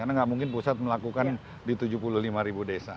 karena tidak mungkin pusat melakukan di tujuh puluh lima ribu desa